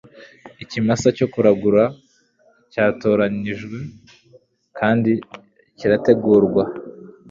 ikimasa cyo kuragura cyatoranijwe kandi kirategurwa